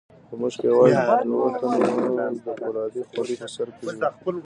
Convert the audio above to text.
په موږ کې یوازې دوو تنو د فولادو خولۍ په سر کړې وې.